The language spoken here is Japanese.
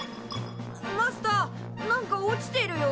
マスターなんか落ちてるよ。